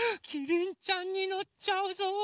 キリンちゃんにのっちゃうぞ。